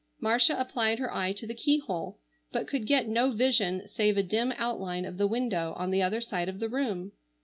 Marcia applied her eye to the keyhole, but could get no vision save a dim outline of the window on the other side of the room.